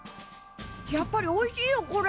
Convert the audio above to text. やっぱりおいしいよこれ。